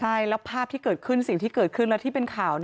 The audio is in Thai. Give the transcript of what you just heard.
ใช่แล้วภาพที่เกิดขึ้นสิ่งที่เกิดขึ้นแล้วที่เป็นข่าว